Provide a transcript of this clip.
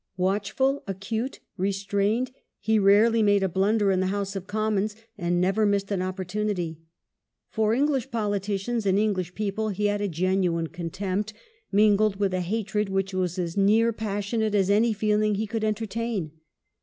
Watchful, acute, restrained, he rarely made a blunder in the House of Commons, and never missed an opportunity. For English politicians and English people he had a genuine contempt, mingled with a hatred which was as near passionate as any feeling he could entertain.